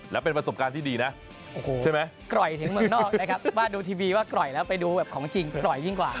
กล่อยถึงเมืองนอกนะครับว่าดูทีวีว่ากล่อยแล้วไปดูของจริงกล่อยยิ่งกว่า